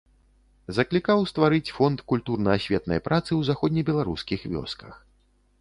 Заклікаў стварыць фонд культурна-асветнай працы ў заходнебеларускіх вёсках.